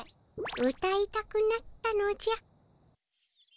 うたいたくなったのじゃ。